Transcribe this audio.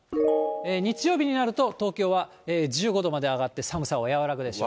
日曜日になると、東京は１５度まで上がって寒さは和らぐでしょう。